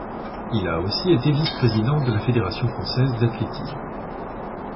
Il a été aussi vice-président de la fédération française d'athlétisme.